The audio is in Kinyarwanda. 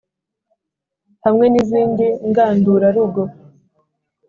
hamwe n’izindi ngandurarugo